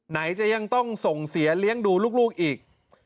ไหนจะยังต้องส่งเสียเลี้ยงดูลูกอีก